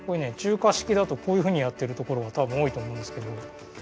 中華式だとこういうふうにやってるところがたぶん多いと思うんですけど。